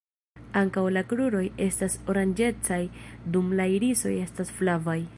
Ankaŭ la kruroj estas oranĝecaj, dum la irisoj estas flavaj.